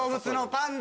パンダ！